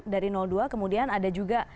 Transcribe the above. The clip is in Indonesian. dari dua kemudian ada juga